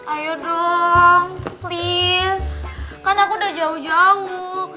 ayo dong please kan aku udah jauh jauh